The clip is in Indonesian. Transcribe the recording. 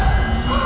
tidak ada apa apa